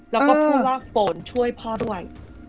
แล้วก็พูดว่าโฟนช่วยพ่อด้วย